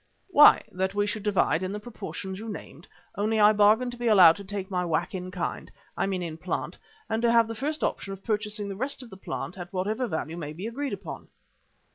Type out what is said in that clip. "Why, that we should divide in the proportions you named, only I bargain to be allowed to take my whack in kind I mean in plant, and to have the first option of purchasing the rest of the plant at whatever value may be agreed upon."